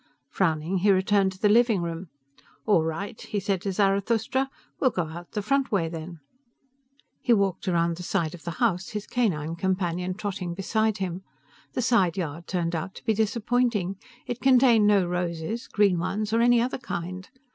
Frowning, he returned to the living room. "All right," he said to Zarathustra, "we'll go out the front way then." He walked around the side of the house, his canine companion trotting beside him. The side yard turned out to be disappointing. It contained no roses green ones, or any other kind.